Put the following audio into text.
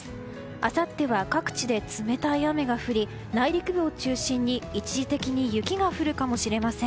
あさっては各地で冷たい雨が降り内陸部を中心に一時的に雪が降るかもしれません。